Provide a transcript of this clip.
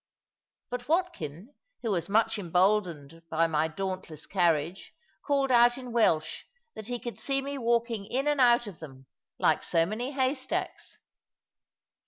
But Watkin, who was much emboldened by my dauntless carriage, called out in Welsh that he could see me walking in and out of them, like so many haystacks.